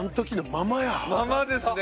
ままですね。